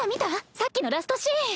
さっきのラストシーン！